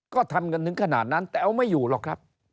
ก็ทำกันถึงขนาดนั้นแต่เอาไม่อยู่หรอกครับ